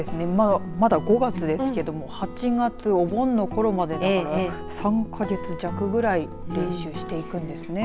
まだ５月ですけど８月、お盆のころまで３か月弱ぐらい練習していくんですね。